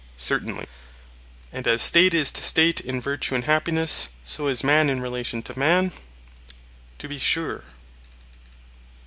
Certainly. And as State is to State in virtue and happiness, so is man in relation to man? To be sure.